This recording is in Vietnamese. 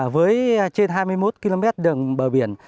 với trên hai mươi một km đường bờ biển